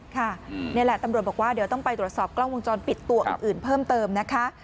นี่แหละตำรวจบอกว่าเดี๋ยวต้องไปตรวจสอบกล้องวงจรปิดตัวอื่นเพิ่มเติมนะคะ